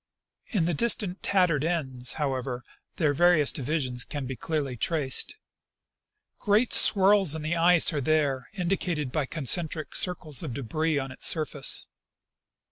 In the distant tattered ends, however, their various divisions can be clearly traced. Great swirls in the ice~ are there indicated by concentric curves of debris on its surface.